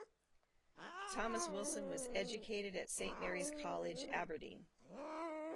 Thomas Wilson was educated at Saint Mary's College, Aberdeen.